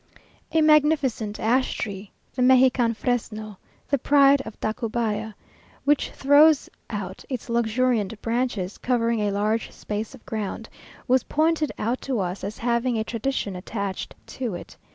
A magnificent ash tree (the Mexican fresno), the pride of Tacubaya; which throws out its luxuriant branches, covering a large space of ground, was pointed out to us as having a tradition attached to it.